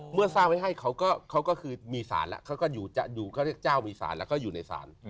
เมื่อสร้างไว้ให้เขาก็คือมีศาลละเขาเรียกเจ้ามีศาลแล้วก็อยู่ในศาล